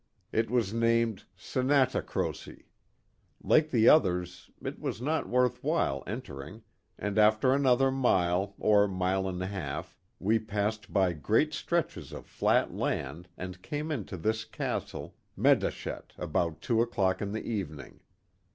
It was named Senatsycrosy. Like the others, it was not worth while entering, and after another mile, or mile and a half, we passed by great stretches of flat land and came into this Castle, Medashet, about two o'clock in the evening.